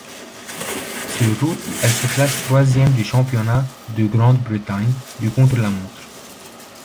Sur route, elle se classe troisième du championnat de Grande-Bretagne du contre-la-montre.